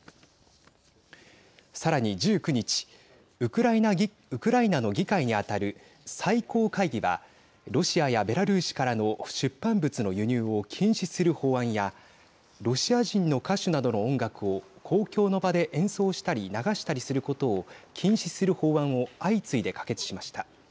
さらに１９日ウクライナの議会に当たる最高会議はロシアやベラルーシからの出版物の輸入を禁止する法案やロシア人の歌手などの音楽を公共の場で演奏したり流したりすることを禁止する法案を相次いで可決しました。